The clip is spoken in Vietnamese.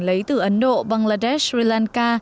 lấy từ ấn độ bangladesh sri lanka